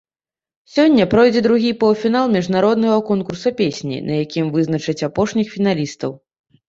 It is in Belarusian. Сёння пройдзе другі паўфінал міжнароднага конкурса песні, на якім вызначаць апошніх фіналістаў.